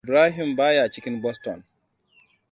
Ibrahim baya cikin Boston.